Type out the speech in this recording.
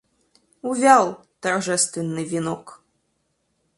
Увял торжественный венок.